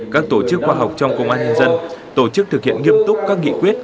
các tổ chức khoa học trong công an nhân dân tổ chức thực hiện nghiêm túc các nghị quyết